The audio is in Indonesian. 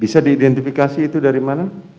bisa diidentifikasi itu dari mana